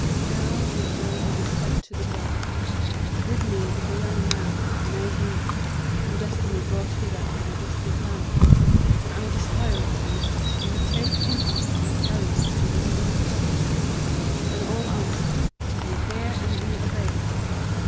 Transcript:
Now he had already said to the birds, 'With me is a young man, a mere youth, whom destiny brought hither from a distant land; and I desire of you that ye take him up and carry him to his own country.' And all answered, 'We hear and we obey.'